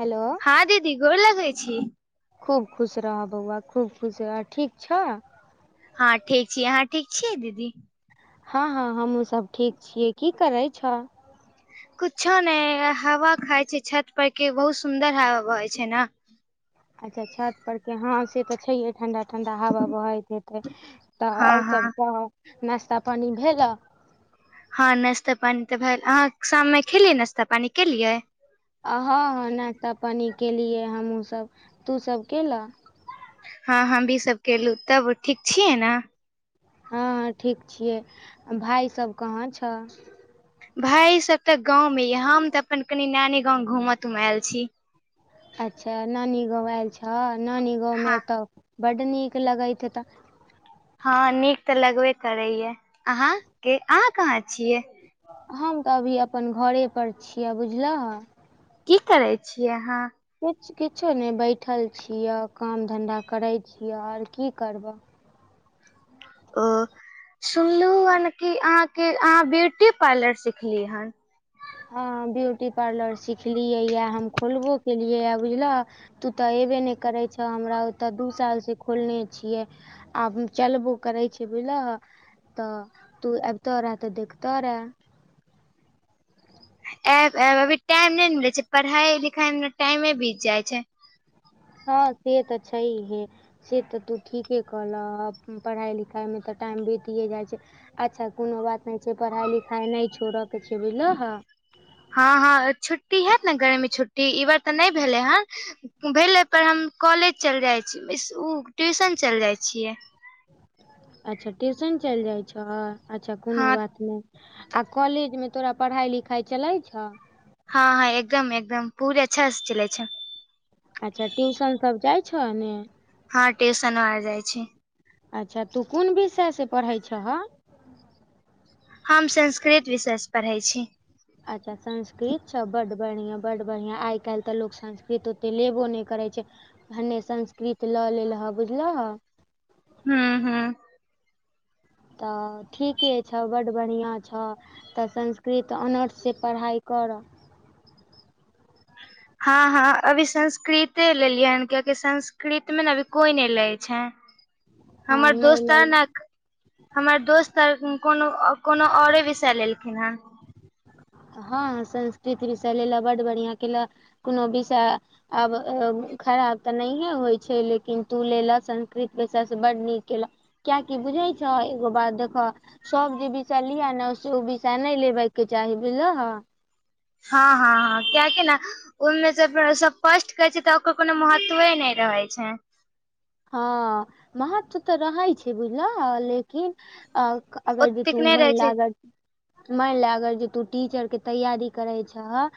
Hello हँ दीदी गोर लगै छी। खूब खुश रहऽ बौआ खूब खुश रहऽ ठीक छ। हँ ठीक छी अहाँ ठीक छियै दीदी? हँ हँ हमहुँ सब ठीक छियै की करै छह? कुछो नै हवा खाइ छि छत पर की बहुत सुन्दर हवा बहै छै नऽ। अच्छा छत पर के हँ से तऽ छैहे ठंडा-ठंडा हवा बहैत हेतै। तऽ हँ आओर सभ हँ कहऽ नास्ता-पानी भेलऽ। हँ नाश्ता-पानी तऽ भेल अहाँ शाममे खेलियै नाश्ता पानी केलियै। हँ हँ नाश्ता पानी केलियै हमहूँ सभ तूसभ केलेह? हँ हम भी सब केलहु तब ठीक छियै न। ह ठीक छियै आ भाय सब कहाँ छऽ। भाय सब तऽ गाँव में या हम तऽ अपन कनी नानी गाँव घूम तूम एल छी। अच्छा नानी गाँव एल छ नानी गाँव मे हँ तऽ बड नीक लगैत हेतऽ। हँ नीक तऽ लगबे करेै ये आहाँ के आहाँ कहाँ छियै? हम त अभी अपन घरे पर छिय बुझलह। की करै छि आहाँ? किछ-किछो नैय बैठल छिय काम धंन्धा करै छिय और की करबअ। ओ सुनलु ह कि आहाँके आहाँ ब्यूटी पार्लर सिखली हन। ह ब्यूटी पार्लर सिखलियै या हम खोलबो केलियैय बुझलह। तू तऽ अयबे नैय करै छ हमरा ओतऽ दू साल सँ खोलने छियै। आब चलबो करै छै बुझलह। त तू अैबतो रे तऽ देखतो रे। एब-एब अभी टाइम नै न मिलेै छै पढ़ाई-लिखाई मे त टाइमे बीत जाय छै। हँ से त छैहे। सेत तू ठीके कहलह ह पढ़ाई लिखाय मे तऽ टाइम बिताये जाय छैय। अच्छा कोनो बात नै छै पढ़ाई-लिखाई नै छोड़ के छैय बुझलह। हँ हँ छुट्टी हेत ने गर्मी छुट्टी ई बार तऽ नैय भेलेै हऽ। भेलै पर हम कॉलेज चैल जाय छी इसकु ट्यूशन चैल जाय छियै। अच्छा ट्यूशन चैल जाय छह अच्छा कोनो हँ बात नै। आ कॉलेज मे तोरा पढ़ाय-लिखाय चलै छ। हँ हँ एकदम-एकदम पूरे अच्छा सँ चलै छैय। अच्छा, ट्यूशन सब जाय छह ने। हँ ट्यूशनो और जाय छी। अच्छा, तू कोन विषय से पढ़ै छह। हम संस्कृत विषय सँ पढ़ै छी। अच्छा संस्कृत छ, बड्ड बढ़ियां-बड्ड बढ़ियां, आय कैल्ह तऽ लोक संस्कृत। तऽ लेबो नै करै छैय, भने संस्कृत लऽ लेलह बुझलह। हँ हँ। तऽ ठीके छऽ बड्ड बढ़ियां छऽ। तऽ संस्कृत ऑनर्स सँ पढ़ाय करऽ। हँ हँ अभी संस्कृते लेलियै हें कियाकि संस्कृत में न अभी कोय नै लै छैय। [inaudible] हँ हमर नहि दोस्तो लै नक। हमर दोस्त और कोनो -कोनो औरे विषय लेलखिन हें। हँ संस्कृत विषय लेलऽ बड्ड बढ़ियां केलऽ कोनो विषय। आब खराब तऽ नैहे होय छैय लेकिन तू ले लऽ संस्कृत विषय सँ बड्ड नीक केलऽ। किय कि बुझै छऽ एगो बात देखऽ। सब जे विषय लिअ ने से उ विषय नैय लेबे के चाही बुझलहऽ। हँ हँ हँ कियाकि न। ओय में सब फर्स्ट करे छै तऽ ओकर कोनो महत्वे नैय रहेै छैय। हँ, महत्व तऽ रहै छैय बुझलहऽ लेकिन। अगर बी ओतेक तू नहि रहै महिला छै अगर। माइन लै अगर जे तू टीचर के तैयारी करै छऽहऽ।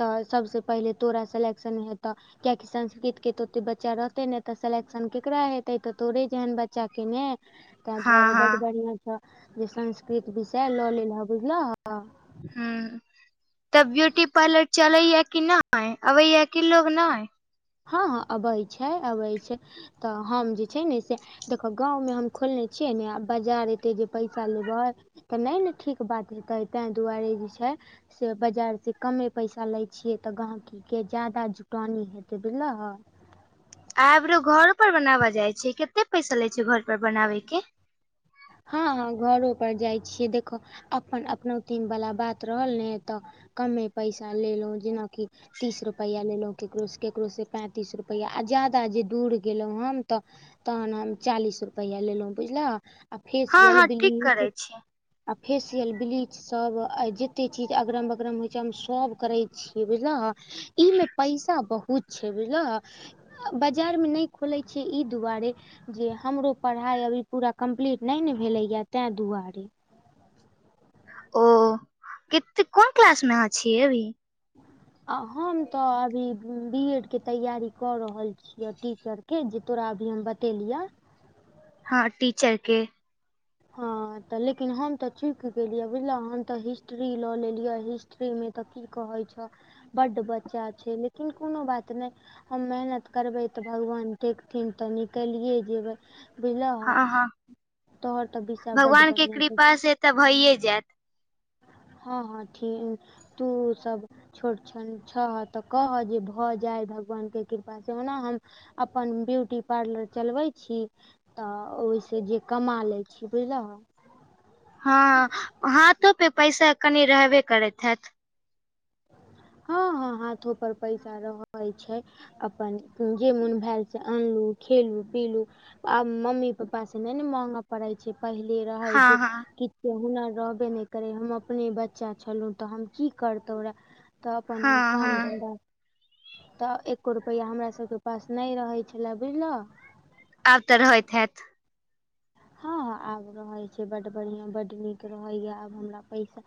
तऽ सबसेँ पहिले तोरा सेलेक्शन हेतऽ। कियाकि संस्कृत के तऽ ओते बच्चा रहतै नेै तऽ सले। तखन केकरा हेतेै, तोड़े जेहेन बच्चा के नैय तै हँ दुआरे हँ बड्ड बढ़िया छ। जे संस्कृत विषय लऽ लेलह बुझलहऽ। हूँ। तऽ ब्यूटी पार्लर चलेैये कि नै, आबेैये कि लोग नइ। हँ हँ अबै छैय, अबै छैय, तऽ हम जे छैय ने से। देखऽ गाँव में हम खोलने छियै ने आ बाजार एतै जे पैसा लेबै। तऽ नयने ठीक बात हेतय, तेंदुआरे जे छइ। से बजारसँ कमे पैसा लय छिय तऽ गांव के जादा जुटानी हेत। तऽ बुझलहऽ। आईब्रो घरोऽ पर बनाब जाय छीय, कते पैसा लय छीय घर पर बनाबे के। हँ, हँ घरो पर जाइ छियै देखऽ। अपन-अपनोती वला बात रहल ने तऽ कमे पैसा लेलहुँ जेनाकि। तीस रुपैआ लेलहुँ ककरोसँ, ककरोसँ पैंतीस रुपैआ आ ज्यादा जे दूर गेलहुँ हम तऽ। तहन हम चालीस रुपैया लेलहुँ बुझलहऽ आ हँ फेसियल- हँ ठीक करै ब्लीच। छी आ फेेशियल-ब्लीच। सब आय जते चीज अगरम-बगरम होइ छै हम सब करेइ छी बुझलहऽ। ई में पैसा बहुत छय बुझलहऽ। बजार में नहि खोलय छिय ई दुआरे जे हमरो पढ़ाई अभी पूरा कम्प्लीट। नयने भेलैए तेंदुआरे। ओ, केते कौन क्लास में अहाँ छियै अभी। आ हमत अभी बीएड के तैयारी क रहलछी यों टीचर की जे तोरा अभी हम बतेलियए हँ टीचर के हँ अ त लेकिन हम त चुक गेलियै बुझलों हम त हिस्ट्री ल लेलियै हिस्ट्री मे त की कहयछ बड्ड बच्चाछय लेकिन कोनो बात नै हम मेहनत करबय त भगवान देखथिन त निकलये जेबय बुझलोह हँ हँ तोहर त विषय बड भगवान के बढ़िआं कृपा से त भइये जायत हँ हँ ठी तूसब छोट सन छह त कहह जे भ जाय भगवान के कृपासँ ओना हम अपन ब्यूटी पार्लर चलबय छी त ओहिसँ जे कमा लयछी बुझलंहु ह हँ हाथो पे पैसा कनि रहबे करैत हैत हँ हँ हाथो पर पैसा रहय छय अपन जेमन भेल से अनलहु खेलहु पीलहु आब मम्मी पपा स नै न मांग पड़य छय पहिले रहै हँ जे हँ कि उ हुनर रहबे नय करै हम अपने बच्चा छलहुँ त हम की करतहुँ रहै त अपन हम हँ काम हँ धन्धा त एक्को रुपैया हमरा सबके पास नै रहै छलए बुझलह आब त रहैत हैत हँ हँ आब रहय छय बड बढ़िआं बड नीक रहैय आब हमरा पैसा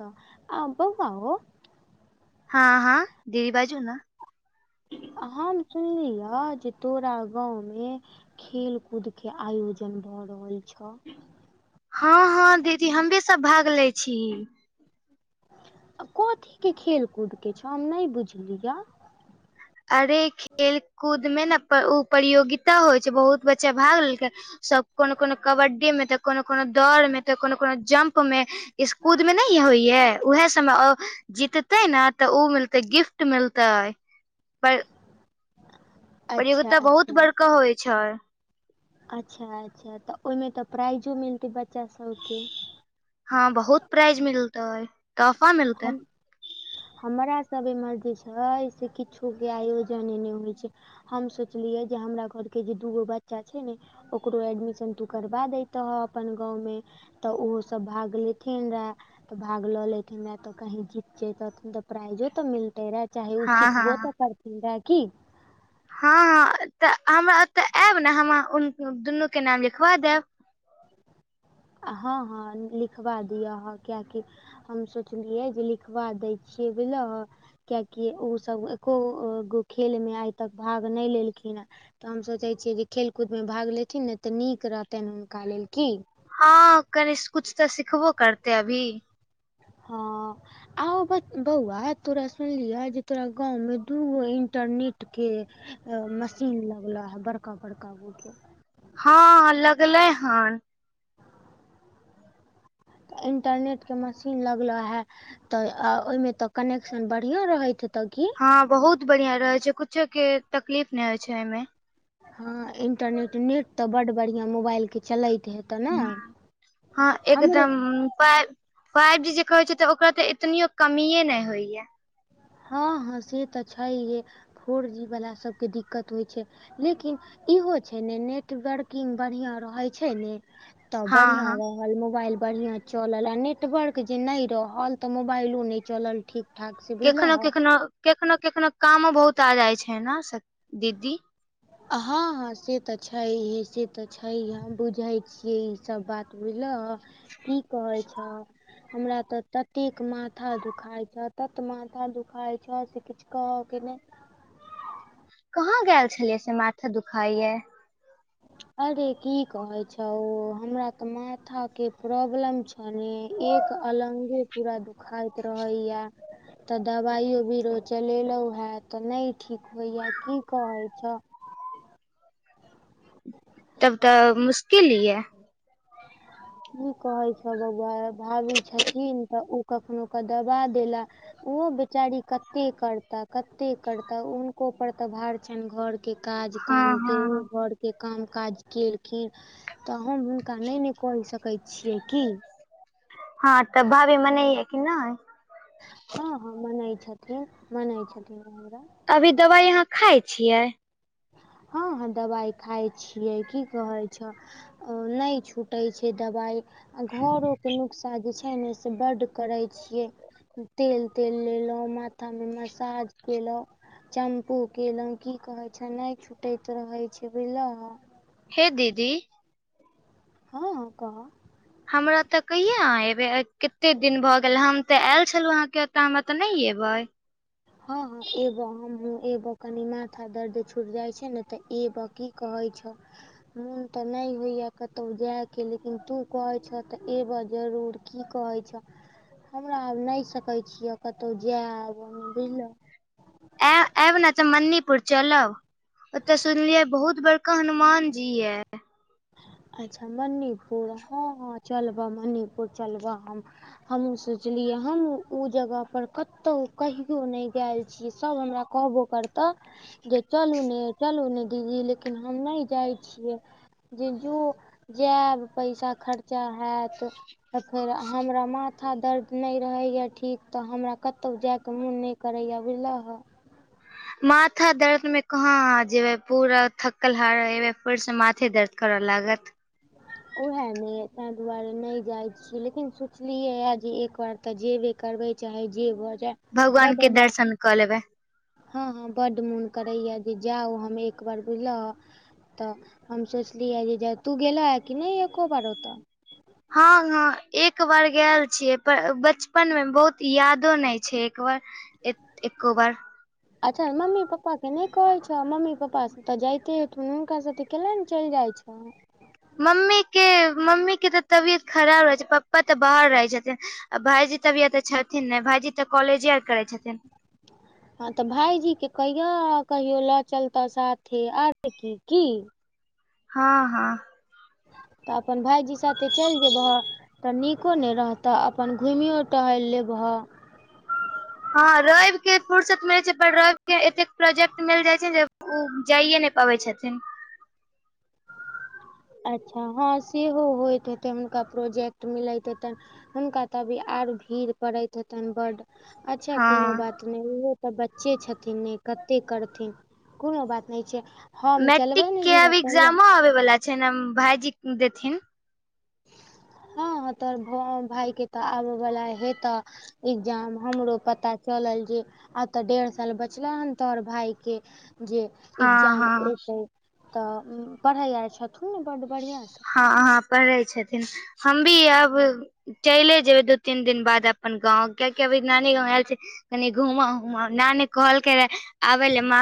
त आ बौआ हो हँ हँ दी बाजू न हम सुनलीह जे तोरा गाँव में खेल कूद के आयोजन भ रहल छ हँ हँ दीदी हम ही सब भाग ले छी कथी के खेल कूद के छ हम नै बुझलियह अरे खेल कूद में ने उ प्ररियोगिता होइ छय बहुत बच्चा भाग लेलकै सब कोनो कोनो कबड्डी में त कोनो कोनो दौड़ में त कोनो कोनो जंप पं में इस कूद मे न होइयै उएहे सब मे जीतते ने त उ मिलत त गिफ्ट मिलतय पै अच्छा प्ररियोगिता बहुत अच्छा बड़का होइ छय अच्छा अच्छा त ओहि मे त प्राइजो मिलतै बच्चा सबके हँ बहुत प्राइज मिलतै तोफा मिलतय हम हमरा सब एम्हर जे छै से किछो के आयोजन नै होइ छै हम सोचलियै जे हमरा घर के जे दूगो बच्चा छै ने ओकरो एडमिशन तू करवा दैतह अपन गाँव मे त ओहो सब भाग लेथिन रहे त भाग ल लेथिन ए मे त कहीं जी जैतथिन त प्राइजो त मिलतै ने चाहे ओ हँ हँ सिखबो त करतै दय की हँ हँ त हमरा ओत आयब ने हम दुनू के नाम लिखबा देब हँ हँ लिखवा दिअ ह क्या की हम सोचलियै जे लिखबा दै छियै बुझल ह कियाकि ओ सब एकोगो खेलमे आइ तक भाग नै लेलखिन है। तऽ हम सोचै छियै जे खेलकूदमे भाग लेथिन ने तऽ नीक रहतनि हुनका लेल, की? हँ कनि कुछ तऽ सिखबो करते अभी। हँ। आउ बौआ तोरा सुनलिअ जे तोरा गाँवमे दूगो इन्टरनेटके मशीन लगला है बड़का- बड़का गो के हँ लगलै हन। तऽ इन्टरनेट के मशीन लगल है तऽ ओइमे तऽ कनेक्शन बढ़िया रहैत हेतै की? हँ बहुत बढ़िया रहै छै कुछो के तकलीफ नै होय छै अइमे। हँ इन्टरनेट नेट तऽ बड बढ़िआँ मोबाइल के चलैत हेत हुं हँ एकदम पाय फाइव जी जे कहे छै तऽ ओकरा तऽ एतनियो कमीेये ने होइया। हँ हँ से तऽ छैहे फोर जी वला सबके दिकत होइ छै। लेकिन इहो छै ने नेटवर्किंग बढ़िया रहै छै ने तब हँ बढ़िया हँ रह मोबाइल बढ़िया चलल आ नेटवर्क जे नै रहल तऽ मोबाइलो नै चलल ठीक- ठाक से। कखनो- बुझलहक कखनो कखनो कखनो कामो बहुत आ जाय छै न स दीदी। हँ हँ से तऽ छैहे, से तऽ छैहे हम बुझै छियै ई सब बात बुझलहुं। की कहै छ हमरा तऽ ततेक माथा दुखाइ छह तत माथा दुखाइ छह से किछ कहऽ के नै। कहाँ गेल छलियै से माथा दुखाइये। अरे की कहे छौ हमरा तऽ माथा के प्रॉब्लम छह। माने एक अलंगे पूरा दुखाइत रहैये। तऽ दवाइयो बीरो चलेलहुं हें तऽ नै ठीक होइये की कहै छह। तब तऽ मुश्किल ये। की कहै छौ बउआ भाभी छथिन तऽ ओ कखनो कऽ दबा देला ओहो बेचारी कते करताह कते करताह हुनको पर तऽ भार छनि घर के के काज हँ काम के हँ ओ घर के काम काज के फेर तऽ हम हुनका नै ने कहि सकै छियै की। हँ तऽ भाभी मनेये कि नै हँ हँ मनै छथिन मनै छथिन हमरा अभी दवाइ आहाँ खाइ छियै? हँ ह दवाइ खाय छियै की कहै छह। अ नै छूटै छै दबाई आ घरो के नुक्शा जे छै ने से बड्ड करै छियै। तेल तेल लेलहुँ माथामे मसाज केलहुँ। चैम्पू केलहुँं की कहे छह नै छुटैत रहै छै बुझलह। हे दीदी? हँ कह। हमरा ओतऽ कहिया अहाँ एबे कते दिन भऽ गेल, हम तऽ आयल छलहुँ अहाँके ओतऽ हमरा ओतऽ नै एबै? हाँ हाँ एबऽ हमहु एबऽ कनि माथा दर्द छूइट जाइ छै ने तऽ एब अ कि कहे छ। मुन तऽ नै होइये कतौ जाय के लेकिन तू कहे छ तऽ एबअ जरूर। कि कहै छ हमरा आब नै सकै छिय, कतहु जायब बुझलऽ। एअ एब न तऽ मणिपुर चलब। ओते सुनलिये बहुत बड़का हनुमान जी ये। अच्छा मणिपुर हाँ हाँ चलबअ मणिपुर चलबअ हम। हमहूँ सोचलियै हन ओ जगह पर कतौ कहियो नै गैल छी सब हमरा कहबो करतऽ जे चलू ने चलू ने दीदी लेकिन हम नै जाइ छियै। जीजू जेएब पैसा खर्चा हेत त फेर हमरा माथा दर्द नै रहैया ठीक तऽ हमरा कतौ जाय के मुन नै करैया बुझल हऽ। माथा दर्द में कहाँ अहाँ जेबै पूरा थकल हारल एबै फेर से माथे दर्द करैऽ लागत। वै हे ने ते दुआरे नै जाइत छियै लेकिन सोचलियै या जे एक बार तऽ जेबे करबै चाहे जे भ जेए। भगवान के दर्शन कऽ लेबै। हाँ हाँ बड्ड मुन करैया जे जाउ हम एक बार बुझलह तऽ हम सोचलिय जे ब तू गेलह कि नै एको बार ओतऽ? हाँ हाँ एक बार गेल छियै प बचपन मे बहुत यादो नै छै एक बार एत एको बार। अच्छा मम्मी पप्पा के नै कहै छ ह मम्मी पप्पा से त जाइते हेथुन हुनका साथे कलेए नै चैल जाय? छ ह। मम्मी के मम्मी के तऽ तबियत खराब रहै छै पप्पा तऽ बाहर रहै छथिन। आ भाईजी त अभी ए तऽ छथिन ने भाईजी तऽ कॉलेजे आर करै छथिन। हाँ तऽ भायजी के कहियह कहियो लऽ चलता साथे आरो कि कि? हाँ हाँ। तऽ अपन भाईजी साथे चैल जेबहअ। तऽ निको नै रहतऽ अपन घुमियो टहैल लेबह। हाँ राइब के फुर्सत मिलैत छै पर राइब के एतेक प्रोजेक्ट मिल जाय छै जे ओ जाइए नै पाबै छथिन। अच्छा हाँ सेहो होइत हेतनि हुनका प्रोजेक्ट मिलैत हेतनि। हुनका त अभी आर भीड़ पड़ैत हेतनि बड अच्छा कोनो हँ बात तुमरुओ तऽ बच्चे छथिन ने कते करथिन कोनो बात नै छै। हम मैट्रिक चलबै ने के जहिया अब तहिया एग्जामो आबै वला छै ने भाईजी देथिन। हाँ तोर भ भाय के तऽ आबेऽ बला हे तऽ। एग्जाम हमरो पता चलल जे आब तऽ डेड़ह साल बचलअ हन तोहर भाय के। जे हँ एकग्जाम हँ एतै तऽ पड़है आर छथुन ना बढ़ियासँ? हाँ अहाँ पड़ै छथिन हम भी आब चैले जेबअ दू तीन दिन बाद अब। अपन गाँंव किया कि अभी नानी गांव आयल छै कनि घुमा उमा नानी कहलकइ आबै लेअ मां